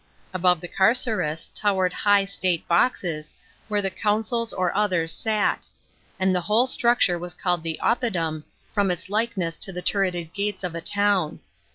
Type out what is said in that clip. Above the carceres towered high state boxes, where the consuls or others sat; and the whole structure was called the oppidum, from its likeness to the turreted gates of a town.